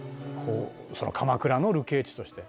「鎌倉の流刑地として」